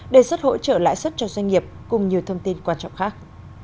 đề xuất hỗ trợ lãi suất cho doanh nghiệp cùng nhiều thông tin quan trọng khác